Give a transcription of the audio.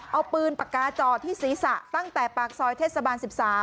เอาปืนปากกาจอที่ศีรษะตั้งแต่ปากซอยเทศบาล๑๓